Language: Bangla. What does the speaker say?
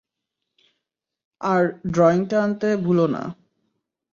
আর ড্রয়িংটা আনতে ভুল না।